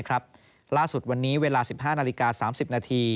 ล่าสุดวันนี้เวลา๑๕นาฬิกา๓๐นาที